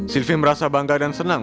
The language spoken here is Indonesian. silvi merasa bangga dan senang